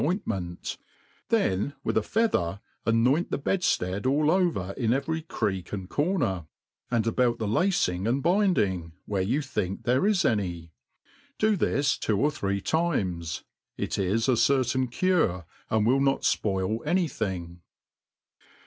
ointment, then with a feather anoint the bedfiead all over in every creek and corner, and about the lacing and binding, where you think there is any. Do this two or three times : it is a certain cure, ^d will not fpaii any thing.